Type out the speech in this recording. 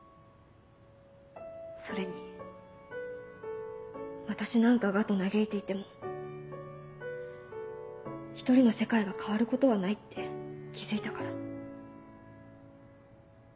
それに「私なんかが」と嘆いていても独りの世界が変わることはないって気付いたから。